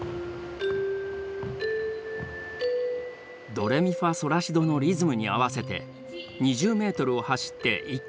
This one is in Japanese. ドレミファソラシドのリズムに合わせて２０メートルを走って１回のカウント。